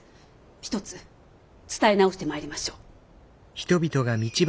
ひとつ伝え直してまいりましょう。